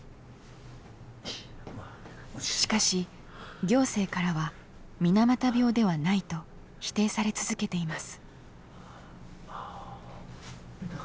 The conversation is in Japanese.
しかし行政からは水俣病ではないと否定され続けています。